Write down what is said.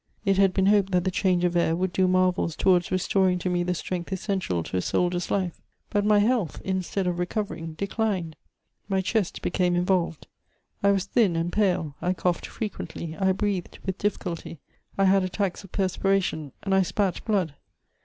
It had been hoped that the change of air would do marvels towards restoring to me the strength essential to a soldier's life; but my health, instead of recovering, declined. My chest became involved; I was thin and pale, I coughed frequently, I breathed with difficulty; I had attacks of perspiration and I spat blood.